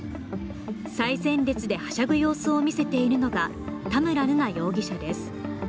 最前列ではしゃぐ様子を見せているのが田村瑠奈容疑者です。